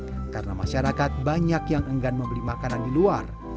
warung makan sepi karena masyarakat banyak yang enggan membeli makanan di luar